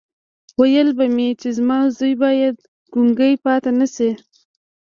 ويل به مې چې زما زوی بايد ګونګی پاتې نه شي.